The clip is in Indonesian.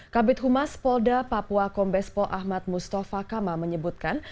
kabupaten humas polda papua kombespo ahmad mustafa kamal menyebutkan